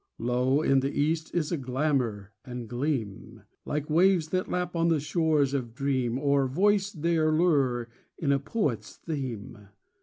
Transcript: Lo, in the east is a glamor and gleam*. Like waves that lap on the shores of dream. Or voice their lure in a poet's theme